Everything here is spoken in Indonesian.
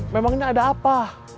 memangnya ada apa